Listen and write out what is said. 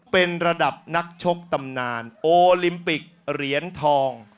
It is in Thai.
เป็นระดับนักชกตำนานโอลิมปิกเหรียญทอง